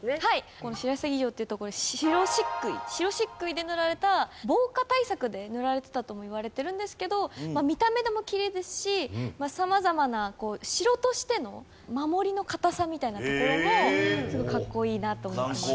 この白鷺城っていう所白漆喰白漆喰で塗られた防火対策で塗られてたともいわれてるんですけど見た目でもきれいですし様々な城としての守りの堅さみたいなところもすごいかっこいいなと思ってます。